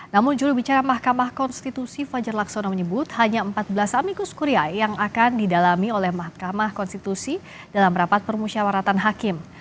namun jurubicara mahkamah konstitusi fajar laksono menyebut hanya empat belas amikus kuria yang akan didalami oleh mahkamah konstitusi dalam rapat permusyawaratan hakim